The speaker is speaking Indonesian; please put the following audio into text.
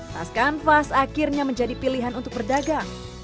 tas kanvas akhirnya menjadi pilihan untuk berdagang